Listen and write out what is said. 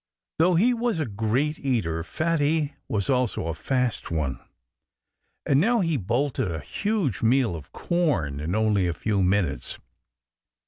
Though he was a great eater Fatty was also a fast one. And now he bolted a huge meal of corn in only a few minutes.